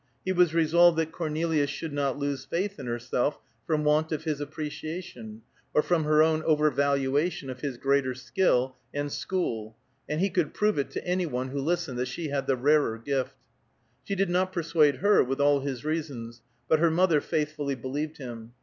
He was resolved that Cornelia should not lose faith in herself from want of his appreciation, or from her own over valuation of his greater skill and school; and he could prove to any one who listened that she had the rarer gift. He did not persuade her, with all his reasons, but her mother faithfully believed him.